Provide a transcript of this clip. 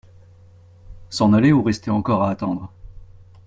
S’en aller ou rester encore à attendre ?